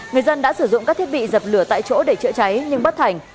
người dân đã sử dụng các thiết bị dập lửa tại chỗ để chữa cháy nhưng bất thành